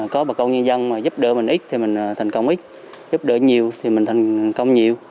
có bà con nhân dân mà giúp đỡ mình ít thì mình thành công ít giúp đỡ nhiều thì mình thành công nhiều